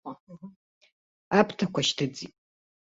Аԥҭақәа шьҭыҵит.